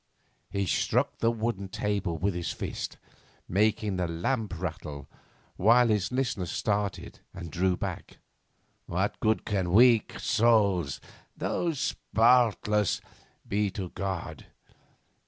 He struck the wooden table with his fist, making the lamp rattle, while his listener started and drew back. 'What good can weak souls, though spotless, be to God?